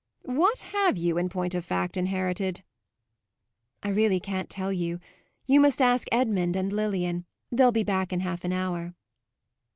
What have you in point of fact inherited?" "I really can't tell you. You must ask Edmund and Lilian; they'll be back in half an hour."